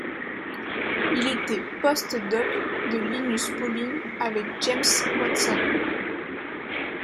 Il était post-doc de Linus Pauling avec James Watson.